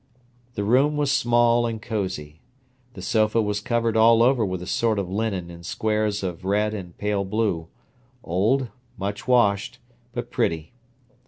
The room was small and cosy. The sofa was covered all over with a sort of linen in squares of red and pale blue, old, much washed, but pretty.